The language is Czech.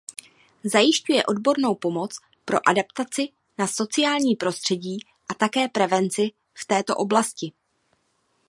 Zajišťuje odbornou pomoc pro adaptaci na sociální prostředí a také prevenci v této oblasti.